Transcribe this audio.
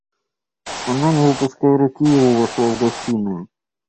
Она, не выпуская руки его, вошла в гостиную.